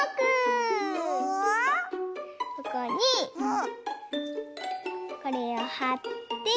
ここにこれをはって。